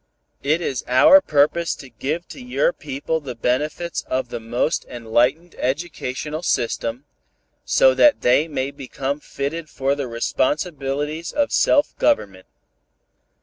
It is our purpose to give to your people the benefits of the most enlightened educational system, so that they may become fitted for the responsibilities of self government.